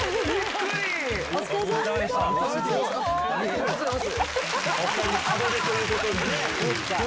ありがとうございます。